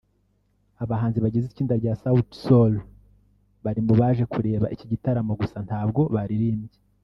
Abahanzi bagize itsinda rya Sauti Soul bari mu bari baje kureba iki gitaramo gusa ntabwo baririmbye